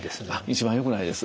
一番よくないです。